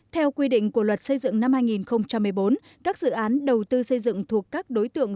theo quy định của luật xây dựng năm hai nghìn một mươi bốn các dự án đầu tư xây dựng thuộc các đối tượng